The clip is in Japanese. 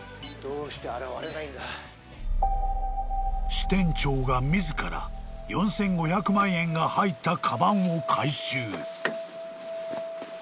［支店長が自ら４，５００万円が入ったかばんを回収］